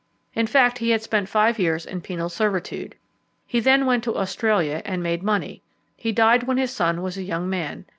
In fact, he had spent five years in penal servitude. He then went to Australia and made money. He died when his son was a young man.